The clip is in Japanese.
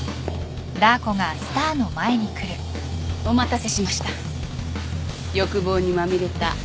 お待たせしました。